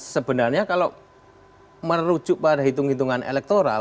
sebenarnya kalau merujuk pada hitung hitungan elektoral